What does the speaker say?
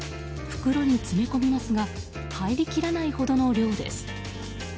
袋に詰め込みますが入りきらないほどの量です。